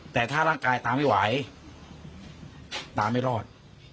แต่ถ้าร่างกายตาไม่ไหวตาไม่รอด